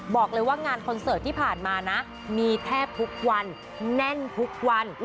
บอกเลยว่างานคอนเสิร์ตที่ผ่านมานะมีแทบทุกวันแน่นทุกวัน